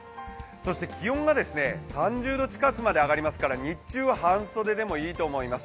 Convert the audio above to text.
そして気温が３０度近くまで上がりますから、日中は半袖でもいいと思います。